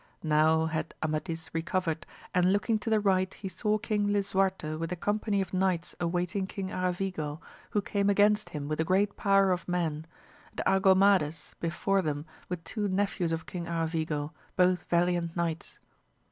Now had Amadis recovered, and looking to the right he saw King Lisuarte with a company of knights awaiting King Aravigo, who came against him with a great power of men, and Argomades before them with two nephews of King Aravigo, both valiant knights.